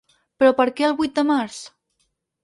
Però per què el vuit de març?